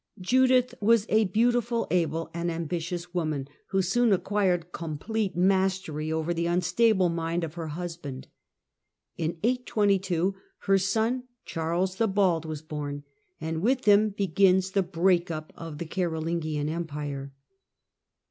Judith was a beautiful, able and ambitious woman, who soon acquired complete mastery over the unstable mind of her husband. In 822 her son Charles the Bald was born, and with him begins the break up of the Carolingian Empire.